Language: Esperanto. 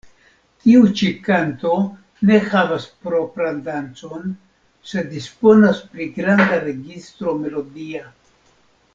Tiu ĉi kanto ne havas propran dancon, sed disponas pri granda registro melodia.